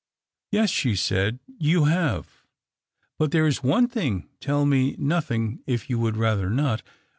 " Yes," she said, '' you have. But there is 3ne thing, tell me nothing if you would rather aot.